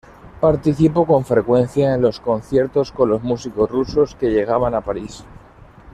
Participó con frecuencia en los conciertos con los músicos rusos que llegaban a París.